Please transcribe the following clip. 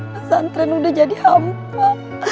pesantren sudah jadi hampa